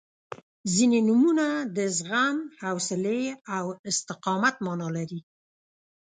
• ځینې نومونه د زغم، حوصلې او استقامت معنا لري.